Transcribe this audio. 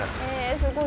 すごい。